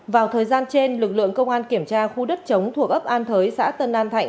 vào thời gian trên lực lượng công an kiểm tra khu đất chống thuộc ấp an thới xã tân an thạnh